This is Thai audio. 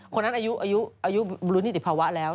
คนนั้นอายุบรุนิติภาวะแล้ว